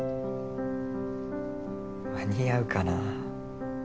間に合うかなあ。